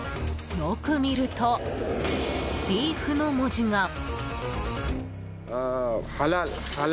よく見ると「ビーフ」の文字が。